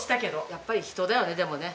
やっぱり人だよねでもね。